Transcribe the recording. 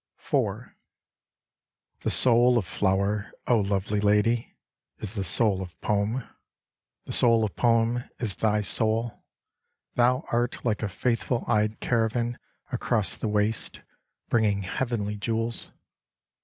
IV The soul of flower, O lovely lady. Is the soul of poem ; the soul of poem 58 Homekotoha Is thy soul : thou art like a faithful eyed caravan Across the waste, bringing heavenly jewels.